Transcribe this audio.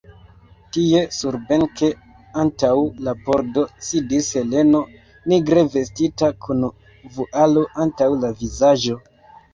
Tie, surbenke, antaŭ la pordo, sidis Heleno, nigre vestita, kun vualo antaŭ la vizaĝo.